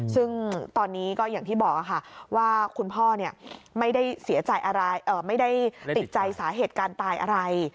ซึ่งตอนนี้ก็อย่างที่บอกค่ะว่าคุณพ่อไม่ได้ติดใจสาเหตุการณ์ตายอะไร